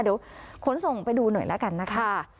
เดี๋ยวขนส่งไปดูหน่อยแล้วกันนะคะ